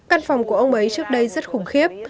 căn phòng của ông ấy trước đây rất khủng khiếp